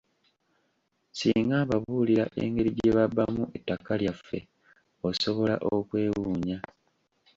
Singa mbabuulira engeri gye babbamu ettaka lyaffe, osobola okwewuunya.